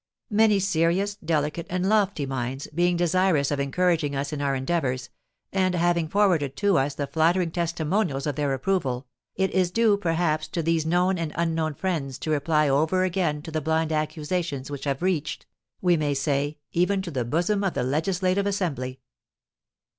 Many serious, delicate, and lofty minds, being desirous of encouraging us in our endeavours, and having forwarded to us the flattering testimonials of their approval, it is due, perhaps, to these known and unknown friends to reply over again to the blind accusations which have reached, we may say, even to the bosom of the legislative assembly.